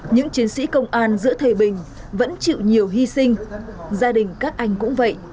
những chiến sĩ công an giữa thầy bình vẫn chịu nhiều hy sinh gia đình các anh cũng vậy